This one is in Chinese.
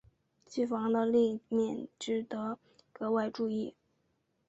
机房的立面值得格外注意。